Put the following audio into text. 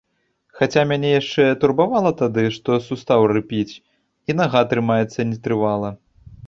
Хаця мяне яшчэ турбавала тады, што сустаў рыпіць, і нага трымаецца нетрывала.